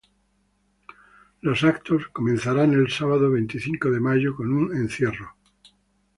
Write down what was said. Los actos comenzarán el sábado veinticinco de mayo con un encierro.